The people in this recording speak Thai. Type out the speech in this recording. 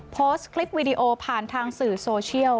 โพสต์คลิปวิดีโอผ่านทางสื่อโซเชียล